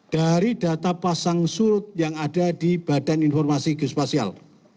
dari data pasang surut yang ada di badan informasi geospasial